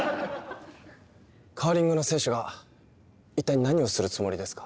カーリングの選手が一体何をするつもりですか？